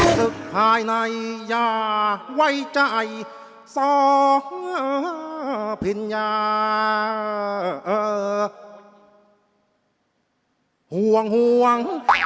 ครับครับครับครับรถมหาสนุก